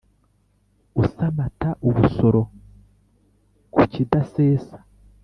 usamata ubusoro ku kidasesa